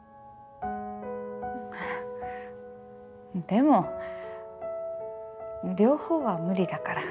でも両方は無理だから。